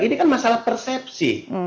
ini kan masalah persepsi